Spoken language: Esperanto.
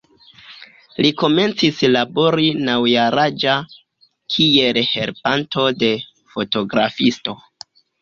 Li komencis labori naŭ-jaraĝa kiel helpanto de fotografisto.